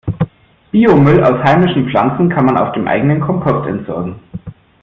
Biomüll aus heimischen Pflanzen kann man auf dem eigenen Kompost entsorgen.